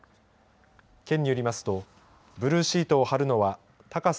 県によりますとブルーシートを張るのは高さ